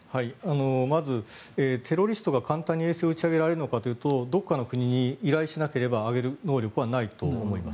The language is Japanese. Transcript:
まず、テロリストが簡単に衛星を打ち上げられるのかというとどこかの国に依頼しなければ上げる能力はないと思います。